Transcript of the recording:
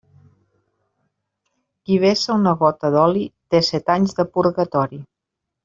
Qui vessa una gota d'oli, té set anys de purgatori.